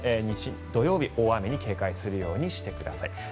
土曜日に警戒するようにしてください。